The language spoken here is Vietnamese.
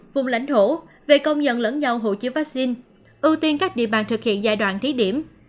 vùng lãnh thổ về công nhận lẫn nhau hộ chiếu vaccine ưu tiên các địa bàn thực hiện giai đoạn thí điểm